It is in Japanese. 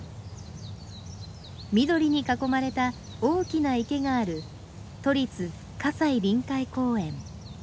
緑に囲まれた大きな池がある都立西臨海公園。